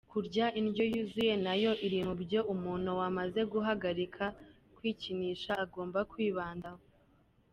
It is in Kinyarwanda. Kurya indyo yuzuye nayo iri mu byo umuntu wamaze guhagarika kwikinisha agomba kwibandaho.